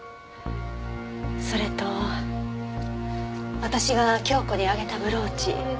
それと私が京子にあげたブローチ。